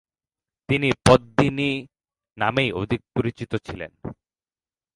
তিনি পদ্মিনী নামেই অধিক পরিচিত ছিলেন।